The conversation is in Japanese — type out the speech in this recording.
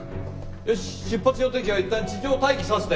よし出発予定機はいったん地上待機させて。